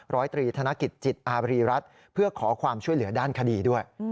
ร้อยตรีธนกิจจิตอาบรีรัฐเพื่อขอความช่วยเหลือด้านคดีด้วย